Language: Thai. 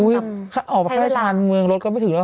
อุ๊ยออกไปท่านเมืองรถก็ไม่ถึงแล้ว